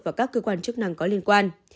và các cơ quan chức năng có liên quan